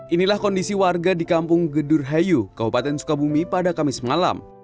inilah kondisi warga di kampung gedurhayu kabupaten sukabumi pada kamis malam